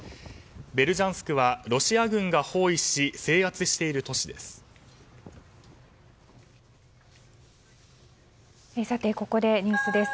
ベルジャンスクはロシア軍が包囲し制圧している都市です。